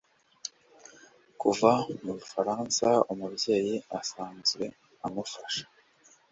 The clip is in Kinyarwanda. Kuva mu Bufaransa Umubyeyi usanzwe amufasha